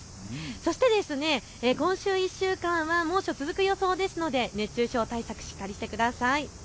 そして今週１週間は猛暑、続く予想ですので熱中症対策しっかりしてください。